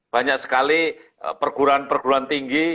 banyak sekali perguruan perguruan tinggi